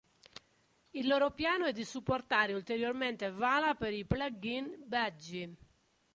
Il loro piano è di supportare ulteriormente Vala per i plugin Budgie.